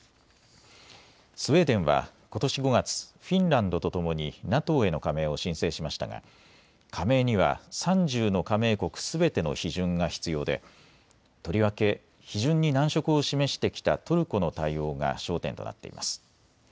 スウェーデンはことし５月、フィンランドとともにＮＡＴＯへの加盟を申請しましたが加盟には３０の加盟国すべての批准が必要でとりわけ批准に難色を示してきたトルコの対応が焦点となっています。